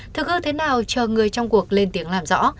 thực hư thế nào chờ người trong cuộc lên tiếng làm rõ